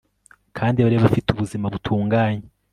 kandi bari bafite ubuzima butunganye